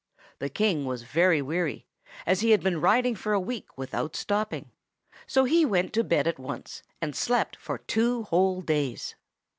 The King was very weary, as he had been riding for a week without stopping. So he went to bed at once, and slept for two whole days.